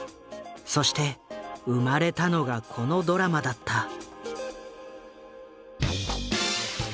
そして生まれたのがこのドラマだった。